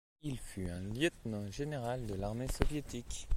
Il fut un lieutenant général de l'Armée soviétique.